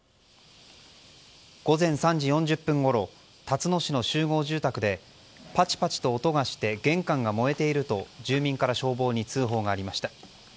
午前３時４０分ごろたつの市の集合住宅でパチパチと音がして玄関が燃えていると住民から消防に通報がありました。